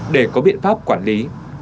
để có biện pháp quản lý